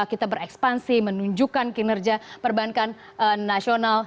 kita berekspansi menunjukkan kinerja perbankan nasional